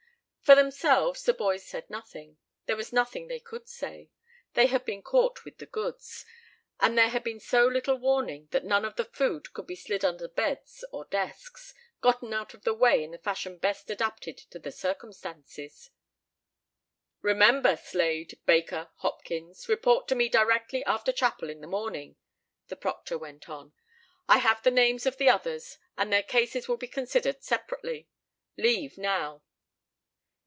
For themselves the boys said nothing. There was nothing they could say. They had been "caught with the goods," and there had been so little warning that none of the food could be slid under beds or desks gotten out of the way in the fashion best adapted to the circumstances. "Remember, Slade, Baker, Hopkins report to me directly after chapel in the morning," the proctor went on. "I have the names of the others, and their cases will be considered separately. Leave now!"